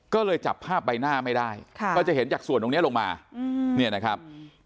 ก็เลยจับภาพใบหน้าไม่ได้ก็จะเห็นจากส่วนตรงนี้ลงมาเนี่ยนะครับ